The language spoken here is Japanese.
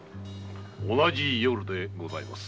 同じ夜でございます。